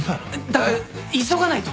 だから急がないと。